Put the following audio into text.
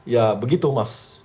ya begitu mas